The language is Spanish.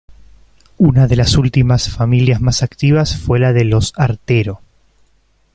Una de las últimas familias más activas fue la de los Artero.